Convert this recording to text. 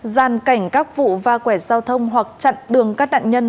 gian cảnh các vụ va quẹt giao thông hoặc chặn đường các nạn nhân